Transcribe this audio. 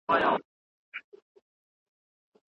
تعصب د اخلاقو زوال دی